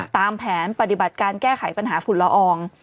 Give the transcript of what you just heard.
ตามแผนปฏิบัติการแก้ไขปัญหาฝุ่นละออง